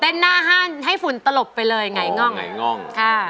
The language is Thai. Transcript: เต้นหน้าห้างให้ฝุ่นตะหลบไปเลยไหง้ง่อง